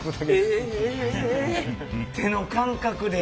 手の感覚で。